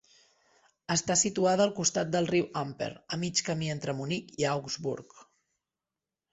Està situada al costat del riu Amper, a mig camí entre Munic i Augsburg.